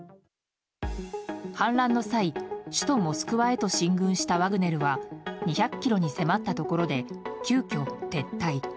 反乱の際、首都モスクワへと進軍したワグネルは２００ｋｍに迫ったところで急きょ撤退。